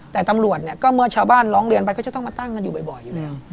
แต่ตำรวจเนี่ยก็เมื่อชาวบ้านร้องเรียนไปก็จะต้องมาตั้งกันอยู่บ่อยอยู่แล้ว